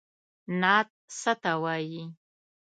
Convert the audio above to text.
نعت څه ته وايي.